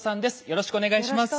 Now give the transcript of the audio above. よろしくお願いします。